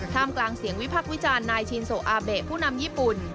กลางเสียงวิพักษ์วิจารณ์นายชินโซอาเบะผู้นำญี่ปุ่น